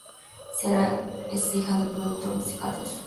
Sara es hija del productor musical David Foster.